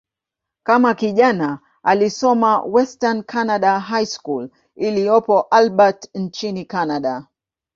Kama kijana, alisoma "Western Canada High School" iliyopo Albert, nchini Kanada.